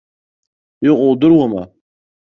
Иҟоу удыруама.